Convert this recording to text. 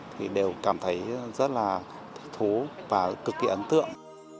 thì đều cảm thấy rất là thích thú và cực kỳ ấn tượng